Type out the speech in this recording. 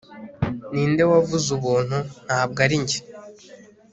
ninde wavuze ubuntu? ntabwo ari njye